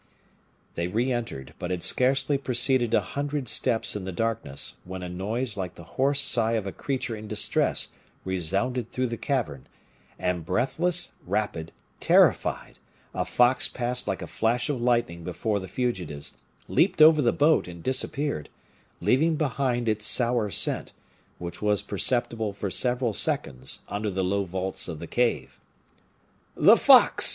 They re entered, but had scarcely proceeded a hundred steps in the darkness, when a noise like the hoarse sigh of a creature in distress resounded through the cavern, and breathless, rapid, terrified, a fox passed like a flash of lightning before the fugitives, leaped over the boat and disappeared, leaving behind its sour scent, which was perceptible for several seconds under the low vaults of the cave. "The fox!"